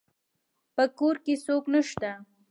په کور کې څوک نشته